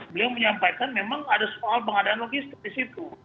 mereka menyampaikan memang ada soal pengadaan logistik disitu